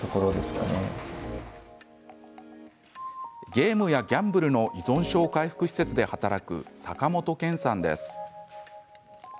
ゲームやギャンブルの依存症回復施設で働く坂本拳さんです。